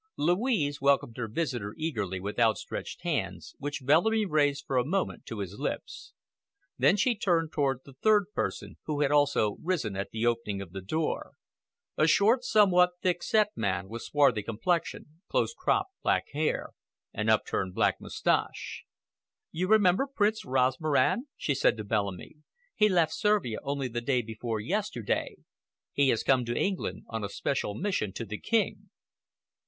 Louise welcomed her visitor eagerly with outstretched hands, which Bellamy raised for a moment to his lips. Then she turned toward the third person, who had also risen at the opening of the door—a short, somewhat thick set man, with swarthy complexion, close cropped black hair, and upturned black moustache. "You remember Prince Rosmaran?" she said to Bellamy. "He left Servia only the day before yesterday. He has come to England on a special mission to the King."